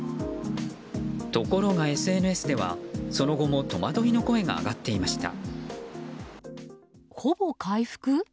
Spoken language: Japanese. ところがＳＮＳではその後も戸惑いの声が上がっていました。